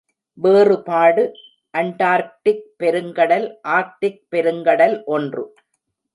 வேறுபாடு அண்டார்க்டிக் பெருங்கடல் ஆர்க்டிக் பெருங்கடல் ஒன்று.